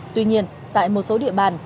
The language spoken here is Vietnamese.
tuy nhiên tại một số địa bàn